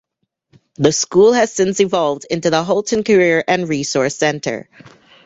The school has since evolved into the Holton Career and Resource Center.